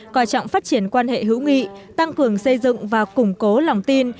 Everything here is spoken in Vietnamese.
coi trọng phát triển quan hệ hữu nghị tăng cường xây dựng và củng cố lòng tin